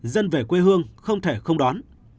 dân về quê hương không thể không đón